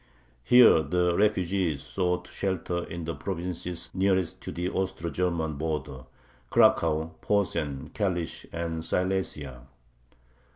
Here the refugees sought shelter in the provinces nearest to the Austro German border, Cracow, Posen, Kalish, and Silesia.